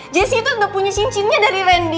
jessi itu udah punya cincinnya dari randy